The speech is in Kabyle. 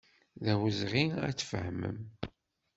D awezɣi ad tfehmem.